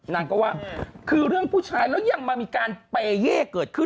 นางก็ว่าคือเรื่องผู้ชายแล้วยังมามีการเปเย่เกิดขึ้น